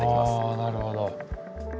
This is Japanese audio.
あなるほど。